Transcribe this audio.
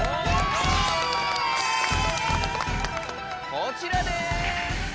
こちらです。